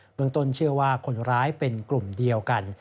เมืองต้นเชื่อว่าคนร้ายเป็นกลุ่มเดียวกัน